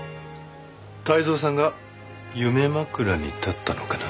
泰造さんが夢枕に立ったのかな。